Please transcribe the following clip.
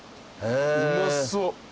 うまそう。